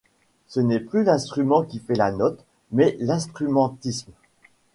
Ce n'est plus l'instrument qui fait la note mais l'instrumentiste.